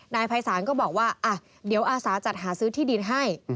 นายภัยศาลก็บอกว่าเดี๋ยวอาสาจัดหาซื้อที่ดินให้